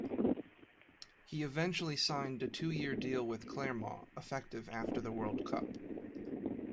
He eventually signed a two-year deal with Clermont, effective after the World Cup.